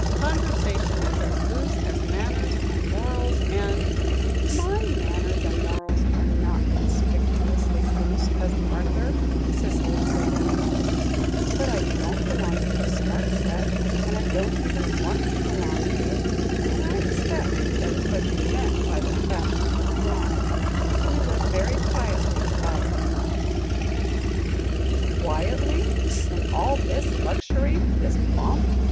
Conversation is as loose as manners and morals, and " "My manners and morals are not conspicuously loose, Cousin Arthur," Cicely said demurely; "but I don't belong to the smart set, and I don't even want to belong to it, and I expect that is what you meant by the fashionable throng. We live very quietly, Baba and I." "Quietly? In all this luxury, this pomp?"